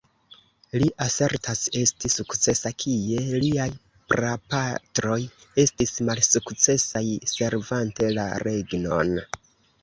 Li asertas esti sukcesa, kie liaj prapatroj estis malsukcesaj, servante la regnon.